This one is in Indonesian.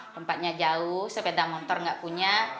tempatnya jauh sepeda motor nggak punya